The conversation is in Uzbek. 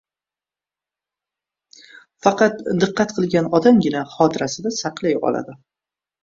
Faqat diqqat qilgan odamgina xotirasida saqlay oladi.